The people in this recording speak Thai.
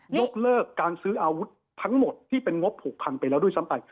ยกเลิกการซื้ออาวุธทั้งหมดที่เป็นงบผูกพันไปแล้วด้วยซ้ำไป